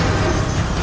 aku akan menangkapmu